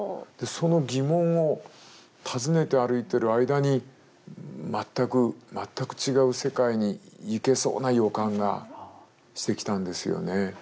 その疑問を訪ねて歩いてる間に全く全く違う世界に行けそうな予感がしてきたんですよね。